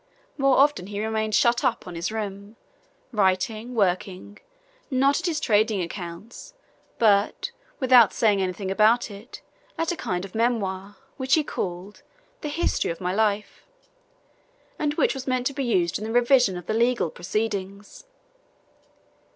More often he remained shut up on his room, writing, working, not at his trading accounts, but, without saying anything about it, at a kind of memoir, which he called "The History of My Life," and which was meant to be used in the revision of the legal proceedings.